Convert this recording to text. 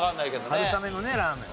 春雨のねラーメン。